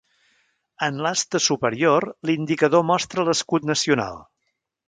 En l'aspa superior, l'indicador mostra l'escut nacional.